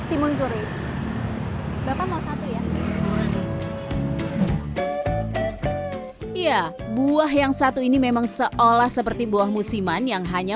timun suri bapak mau satu ya buah yang satu ini memang seolah seperti buah musiman yang hanya